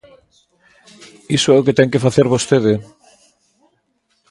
Iso é o que ten que facer vostede.